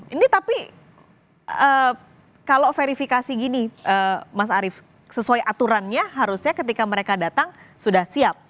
ini tapi kalau verifikasi gini mas arief sesuai aturannya harusnya ketika mereka datang sudah siap